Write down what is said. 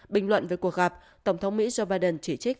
bình luận về cuộc gặp tổng thống mỹ joe biden chỉ trích